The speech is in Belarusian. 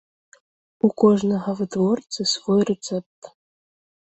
У кожнага вытворцы свой рэцэпт.